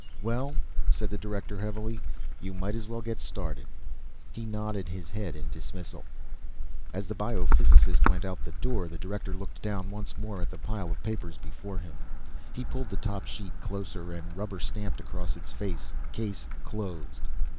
"Well," said the Director, heavily. "You might as well get started." He nodded his head in dismissal. As the biophysicist went out the door, the Director looked down once more at the pile of papers before him. He pulled the top sheet closer, and rubber stamped across its face CASE CLOSED.